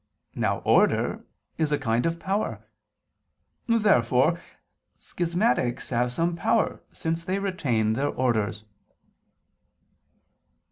Now Order is a kind of power. Therefore schismatics have some power since they retain their Orders.